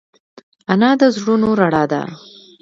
انا د زړونو رڼا ده